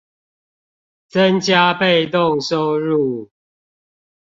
增加被動收入